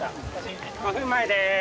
５分前です。